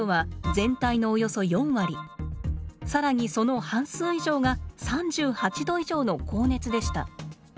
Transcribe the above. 更にその半数以上が３８度以上の高熱でした。